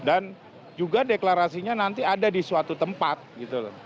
dan juga deklarasinya nanti ada di suatu tempat gitu